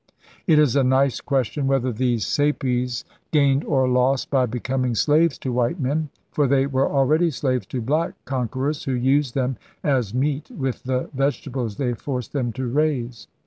It is a nice question whether these Sapies gained or lost by becoming slaves to white men; for they were already slaves to black conquerors who used them as meat with the vege tables they forced them to raise.